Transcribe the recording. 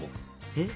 えっ？